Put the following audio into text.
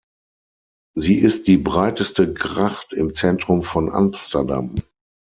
Sie ist die breiteste Gracht im Zentrum von Amsterdam.